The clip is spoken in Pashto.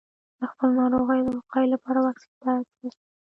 د خپلو ناروغیو د وقایې لپاره واکسین ته اړتیا ده.